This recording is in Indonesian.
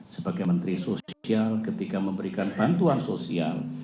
sebagai menteri sosial ketika memberikan bantuan sosial